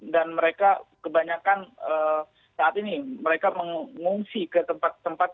dan mereka kebanyakan saat ini mereka mengungsi ke tempat tempat